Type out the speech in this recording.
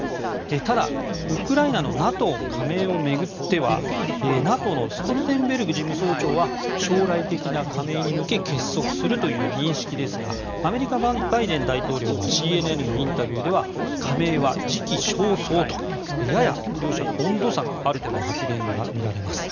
ただ、ウクライナのＮＡＴＯ加盟を巡ってはＮＡＴＯのストルテンベルグ事務総長は将来的な加盟に向け結束するという認識ですがアメリカ、バイデン大統領はＣＮＮのインタビューでは加盟は時期尚早とやや両者温度差があるという発言が見られます。